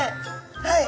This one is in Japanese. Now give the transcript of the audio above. はい。